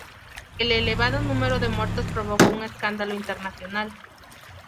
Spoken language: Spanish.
El elevado número de muertos provocó un escándalo internacional.